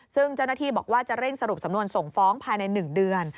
ซึ่งเจ้าหน้าที่บอกว่าจะเร่งสรุปสำนวนส่งฟ้องภายใน๑เดือน